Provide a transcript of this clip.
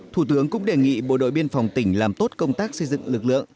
thủ tướng cũng đề nghị bộ đội biên phòng tỉnh làm tốt công tác xây dựng lực lượng